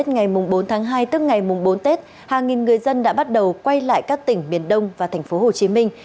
ngày bốn tháng hai tức ngày bốn tết hàng nghìn người dân đã bắt đầu quay lại các tỉnh miền đông và thành phố hồ chí minh